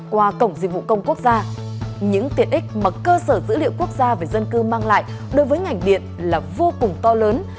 qua cổng dịch vụ công quốc gia những tiện ích mà cơ sở dữ liệu quốc gia về dân cư mang lại đối với ngành điện là vô cùng to lớn